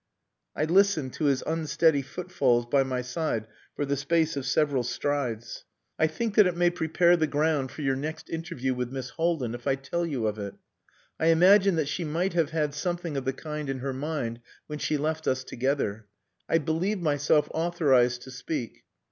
I listened to his unsteady footfalls by my side for the space of several strides. "I think that it may prepare the ground for your next interview with Miss Haldin if I tell you of it. I imagine that she might have had something of the kind in her mind when she left us together. I believe myself authorized to speak.